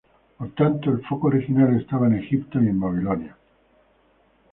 Por tanto, el foco original estaba en Egipto y en Babilonia.